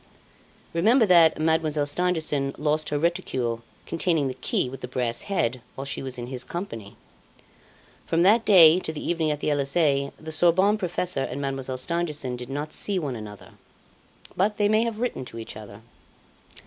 Remember that Mademoiselle Stangerson lost her reticule containing the key with the brass head while she was in his company. From that day to the evening at the Elysee, the Sorbonne professor and Mademoiselle Stangerson did not see one another; but they may have written to each other.